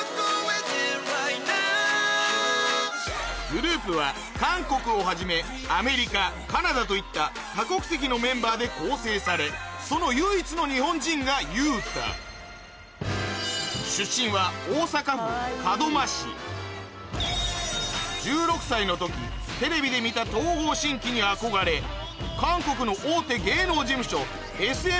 グループは韓国をはじめアメリカカナダといった多国籍のメンバーで構成されその唯一の日本人がユウタ出身は１６歳の時テレビで見た東方神起に憧れ韓国の大手芸能事務所